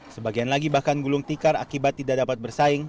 sebagian lagi bahkan gulung tikar akibat tidak dapat bersaing